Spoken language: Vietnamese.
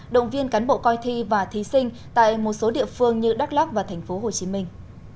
động viên cán bộ coi thi và thí sinh tại một số địa phương như đắk lắc và thành phố hồ chí minh